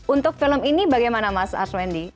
untuk film ini bagaimana mas arswendi